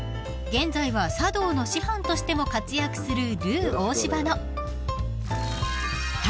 ［現在は茶道の師範としても活躍する］